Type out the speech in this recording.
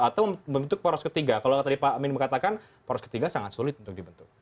atau membentuk poros ketiga kalau tadi pak amin mengatakan poros ketiga sangat sulit untuk dibentuk